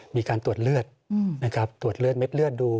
มีการตรวจเลือดนะครับตรวจเลือดเม็ดเลือดดู